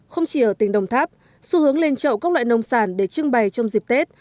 không chỉ ở tỉnh đồng tháp xu hướng lên chậu các loại nông sản để trưng bày trong dịp tết